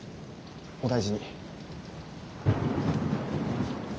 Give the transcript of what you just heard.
お大事に。